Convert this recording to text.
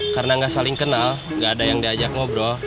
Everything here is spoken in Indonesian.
karena gak saling kenal gak ada yang diajak ngobrol